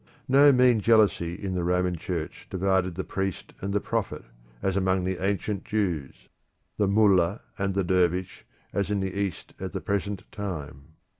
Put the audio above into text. No mean jealousy in the Roman Church divided the priest and the prophet, as among the ancient Jews; the mullah and the dervish, as in the East at the present time.